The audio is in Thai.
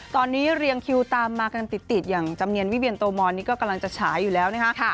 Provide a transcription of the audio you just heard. ตอนนี้เรียงคิวตามมากันติดอย่างจำเนียนวิเวียนโตมอนนี่ก็กำลังจะฉายอยู่แล้วนะคะ